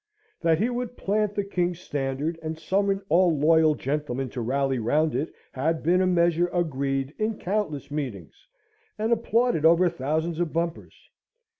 That he would plant the King's standard, and summon all loyal gentlemen to rally round it, had been a measure agreed in countless meetings, and applauded over thousands of bumpers.